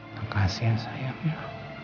makasih ya sayangnya